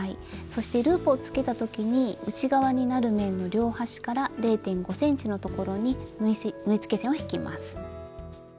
そしてループをつけた時に内側になる面の両端から０．５ｃｍのところに縫い付け線を引きます。